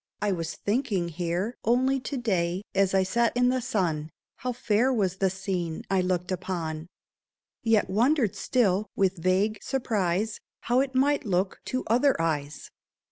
I was thinking here Only to day, as I sat in the sun, How fair was the scene I looked upon ; Yet wondered still, with a vague surprise, How it might look to other eyes.